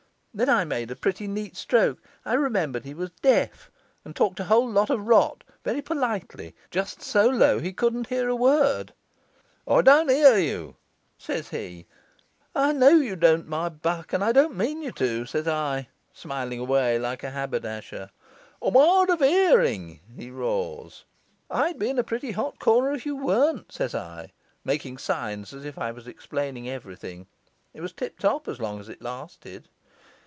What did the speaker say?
Then I made a pretty neat stroke. I remembered he was deaf, and talked a whole lot of rot, very politely, just so low he couldn't hear a word. "I don't hear you," says he. "I know you don't, my buck, and I don't mean you to," says I, smiling away like a haberdasher. "I'm hard of hearing," he roars. "I'd be in a pretty hot corner if you weren't," says I, making signs as if I was explaining everything. It was tip top as long as it lasted.